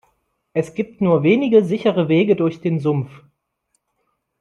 Es gibt nur wenige sichere Wege durch den Sumpf.